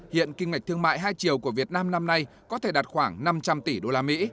hiện kinh ngạch thương mại hai triệu của việt nam năm nay có thể đạt khoảng năm trăm linh tỷ đô la mỹ